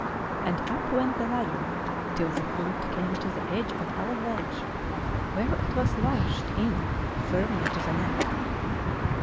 " and up went the ladder, till the foot came to the edge of our ledge, wdiere it was lashed in firmly to the neck.